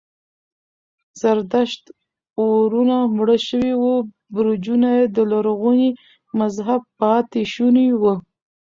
زردشت اورونه مړه شوي وو، برجونه یې د لرغوني مذهب پاتې شوني و.